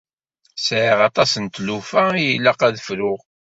Sɛiɣ aṭas n tlufa i ilaq ad fruɣ.